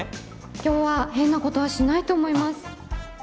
今日は変なことはしないと思います。